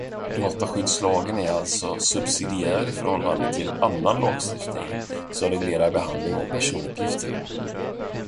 Dataskyddslagen är alltså subsidiär i förhållande till annan lagstiftning som reglerar behandling av personuppgifter.